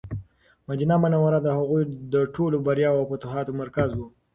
مدینه منوره د هغوی د ټولو بریاوو او فتوحاتو مرکز و.